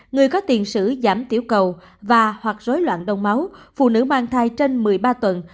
người có tiền sử giảm tiểu cầu và hoặc rối loạn đông máu phụ nữ mang thai trên một mươi ba tuần